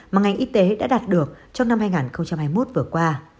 mà ngành y tế đã đạt được trong năm hai nghìn hai mươi một vừa qua